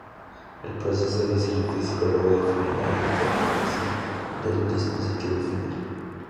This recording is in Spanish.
El proceso de diseño físico luego define la interconexión del dispositivo final.